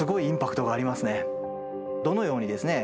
どのようにですね